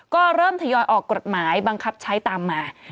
ก็เริ่มทยอยออกกฎหมายบังคับใช้ตามมา